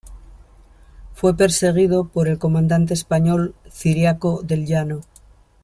Fue perseguido por el comandante español Ciriaco del Llano.